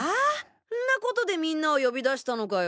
んなコトでみんなを呼び出したのかよ。